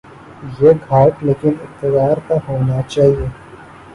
یہ گھاٹ لیکن اقتدارکا ہو نا چاہیے۔